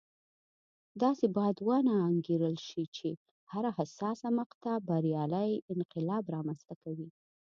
داسې باید ونه انګېرل شي چې هره حساسه مقطعه بریالی انقلاب رامنځته کوي.